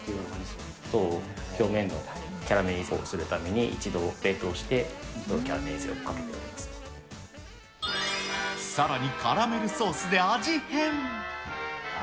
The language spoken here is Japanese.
そう、表面のキャラメリゼをするために、一度冷凍して、キャラメリゼをかさらにカラメルソースで味変。